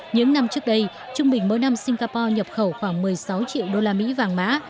những năm trước đây trung bình mỗi năm singapore nhập khẩu khoảng một mươi sáu triệu đô la mỹ vàng mã